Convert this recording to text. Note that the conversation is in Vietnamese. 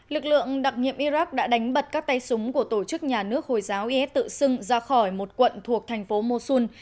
lực lượng đặc nhiệm iraq đã đánh bật các tay súng của tổ chức nhà nước hồi giáo is tự xưng ra khỏi một quận thuộc thành phố mosun